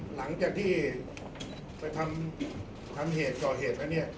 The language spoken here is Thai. หลังจากที่ไปทำเหตุก่อเหตุอันนี้